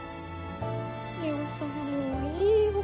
海音さんもういいよ。